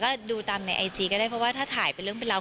ก็ดูตามในไอจีก็ได้เพราะว่าถ้าถ่ายเป็นเรื่องเป็นราว